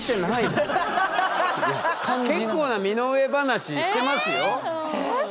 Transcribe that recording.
結構な身の上話してますよ。